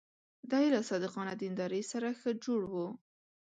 دی له صادقانه دیندارۍ سره ښه جوړ و.